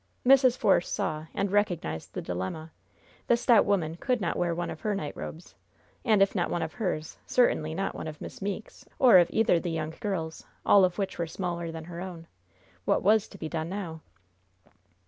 Mrs. Force saw, and recognized the dilemma. The stout woman could not wear one of her night robes; and, if not one of hers, certainly not one of Miss Meeke's, or of either the young girls' all of which were smaller than her own. What was to be done now?